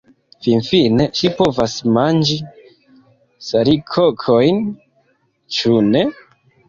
Finfine, ŝi povas manĝi salikokojn, ĉu ne?